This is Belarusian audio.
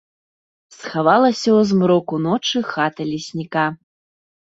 Схавалася ў змроку ночы хата лесніка.